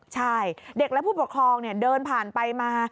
ใช่เด็กและผู้ปกครองเดินผ่านไปมา